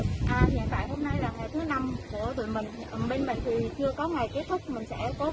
hiện tại hôm nay là ngày thứ năm của tụi mình